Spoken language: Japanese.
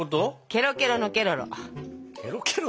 ケロロケロロケロロ。